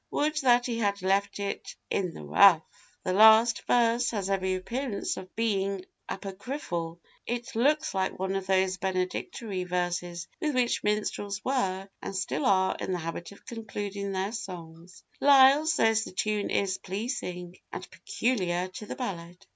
Would that he had left it 'in the rough!' The last verse has every appearance of being apocryphal; it looks like one of those benedictory verses with which minstrels were, and still are, in the habit of concluding their songs. Lyle says the tune 'is pleasing, and peculiar to the ballad.